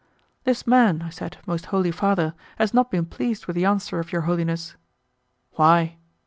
"This man," I said, "most Holy Father, has not been pleased with the answer of Your Holiness." "Why?"